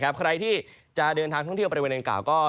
ใครที่จะเดินทางท่องเที่ยวบริเวณดังกล่าวก็